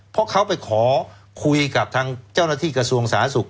เพราะเขาไปขอคุยกับทางเจ้าหน้าที่กระทรวงสาธารณสุข